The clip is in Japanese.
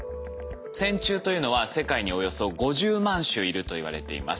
線虫というのは世界におよそ５０万種いるといわれています。